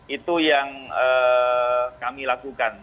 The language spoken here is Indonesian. itu yang kami lakukan